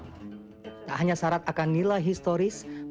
masakan italia tersebut juga memiliki kekuatan yang sangat baik